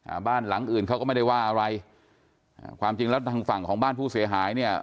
อ่าบ้านหลังอื่นเขาก็ไม่ได้ว่าอะไรอ่าความจริงแล้วทางฝั่งของบ้านผู้เสียหายเนี่ย